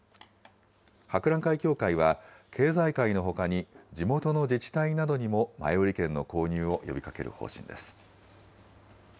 博覧会協会は、経済界のほかに、地元の自治体などにも前売券の購入を呼びかける方針です。